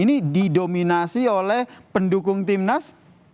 ini di dominasi oleh pendukung timnas